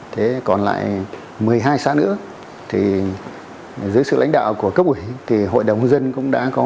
thế còn lại một mươi hai xã nữa thì dưới sự lãnh đạo của cấp ủy thì hội đồng dân cũng đã có